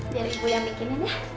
biar ibu yang bikinin ya